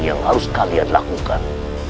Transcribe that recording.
yang harus kalian lakukan